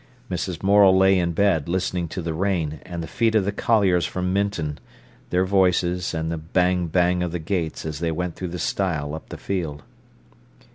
Mrs. Morel lay in bed, listening to the rain, and the feet of the colliers from Minton, their voices, and the bang, bang of the gates as they went through the stile up the field.